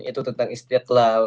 itu tentang istiqlal